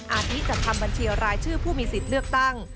อาทิจัดทำบัญชีรายชื่อผู้มีสิทธิ์เลือกตั้ง